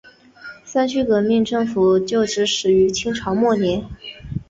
三区革命政府旧址始建于清朝末年。